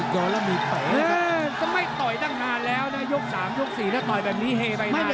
ก็ไม่ต่อยตั้งนานแล้วนะยก๓ยก๔ถ้าต่อยแบบนี้เข้ไปนานแล้ว